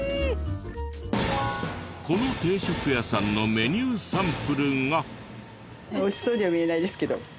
この定食屋さんのメニューサンプルが。